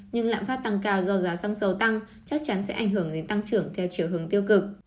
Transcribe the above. nhưng lạm phát tăng cao do giá xăng dầu tăng chắc chắn sẽ ảnh hưởng đến tăng trưởng theo chiều hướng tiêu cực